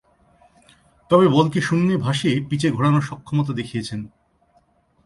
তবে, বলকে শূন্যে ভাসিয়ে পিচে ঘোরানোয় সক্ষমতা দেখিয়েছেন।